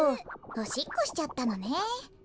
おしっこしちゃったのね。